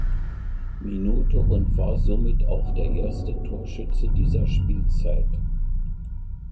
Minute und war somit auch der erste Torschütze dieser Spielzeit.